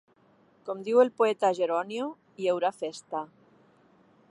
Com diu el poeta a Geronio, hi haurà festa.